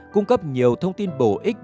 cung cấp nhiều thông tin bổ ích